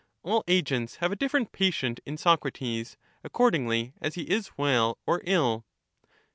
All agents have a different patient in Socrates, accordingly as he is well or ill.